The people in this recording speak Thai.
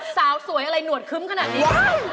สาวสวยอะไรหนวดคึ้มขนาดนี้